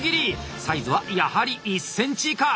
サイズはやはり１センチ以下！